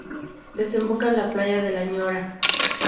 Desemboca en la Playa de la Ñora.